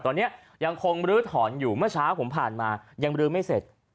ตอนนี้ยังคงลื้อถอนอยู่เมื่อเช้าผมผ่านมายังบรื้อไม่เสร็จ